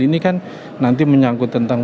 ini kan nanti menyangkut tentang